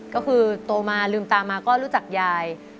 ก็คือโตมาลืมตามาก็รู้จักยาย